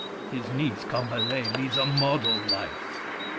His niece, Combalet, leads a model life.